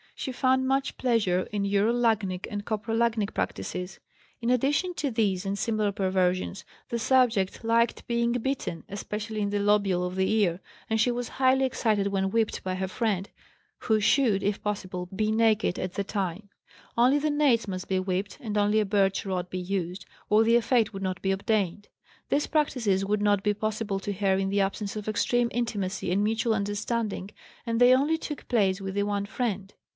She found much pleasure in urolagnic and coprolagnic practices. In addition to these and similar perversions, the subject liked being bitten, especially in the lobule of the ear, and she was highly excited when whipped by her friend, who should, if possible, be naked at the time; only the nates must be whipped and only a birch rod be used, or the effect would not be obtained. These practices would not be possible to her in the absence of extreme intimacy and mutual understanding, and they only took place with the one friend.